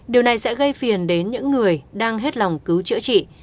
điều này sẽ gây phiền đến những người đang hết lòng cứu chữa trị